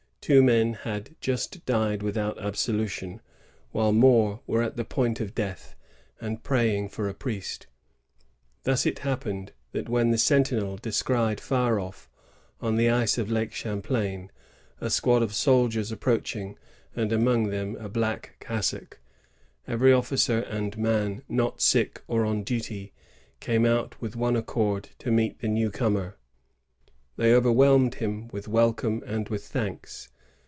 Two men had just died without absolution, while more were at the point of death, and praying for a priest. Thus it happened that when the sentinel descried far off, on the ice of Lake Champlain, a squad of soldiers 1666.] THE CURfi OP ST. ANNE. 263 approaching, and among them a black cassock, every officer and man not sick or on duty came out with one accord to meet the new comer. They over whelmed him with welcome and with thanks.